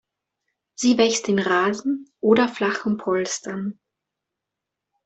Sie wächst in Rasen oder flachen Polstern.